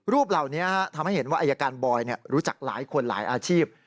เหล่านี้ทำให้เห็นว่าอายการบอยรู้จักหลายคนหลายอาชีพ